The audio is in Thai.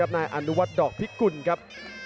นายอนุวัฒนดอกพิกุลครับ